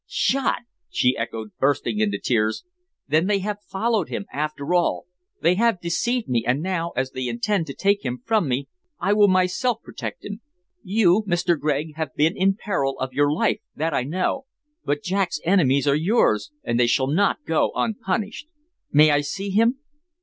"Shot!" she echoed, bursting into tears. "Then they have followed him, after all! They have deceived me, and now, as they intend to take him from me, I will myself protect him. You, Mr. Gregg, have been in peril of your life, that I know, but Jack's enemies are yours, and they shall not go unpunished. May I see him?"